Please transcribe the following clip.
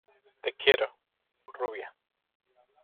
te quiero, rubia.